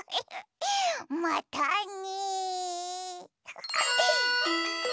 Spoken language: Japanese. またね。